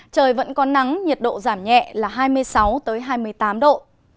trời vẫn có nắng nhiệt độ giảm nhẹ là hai mươi sáu hai mươi tám độ